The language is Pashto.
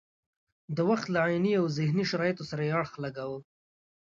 د وخت له عیني او ذهني شرایطو سره یې اړخ لګاوه.